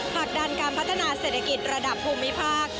ผลักดันการพัฒนาเศรษฐกิจระดับภูมิภาค